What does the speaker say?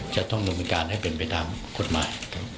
จะต้องหนุนการให้เป็นไปตามกฎหมาย